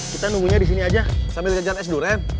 kita nunggu nya disini aja sambil kejar es durian